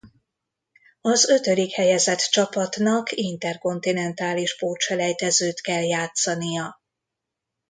Az ötödik helyezett csapatnak interkontinentális pótselejtezőt kell játszania.